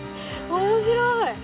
面白い！